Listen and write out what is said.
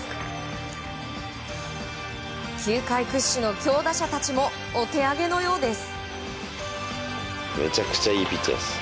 球界屈指の強打者たちもお手上げのようです。